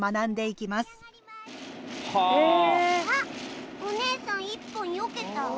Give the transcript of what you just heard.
あっおねえさん１本よけた。